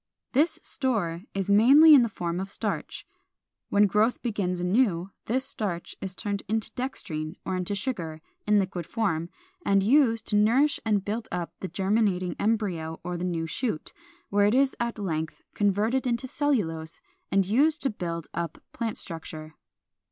This store is mainly in the form of starch. When growth begins anew, this starch is turned into dextrine or into sugar, in liquid form, and used to nourish and build up the germinating embryo or the new shoot, where it is at length converted into cellulose and used to build up plant structure.